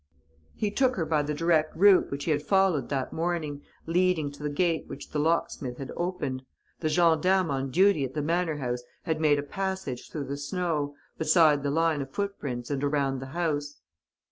He took her by the direct route which he had followed that morning, leading to the gate which the locksmith had opened. The gendarmes on duty at the manor house had made a passage through the snow, beside the line of footprints and around the house.